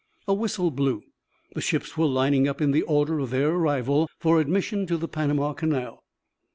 A whistle blew. The ships were lining up in the order of their arrival for admission to the Panama Canal.